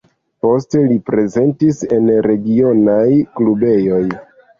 Poste li prezentis en regionaj klubejoj.